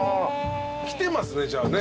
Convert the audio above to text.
来てますねじゃあね。